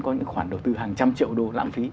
có những khoản đầu tư hàng trăm triệu đô lãng phí